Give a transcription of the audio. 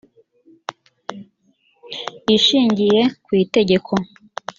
ishingiye ku itegeko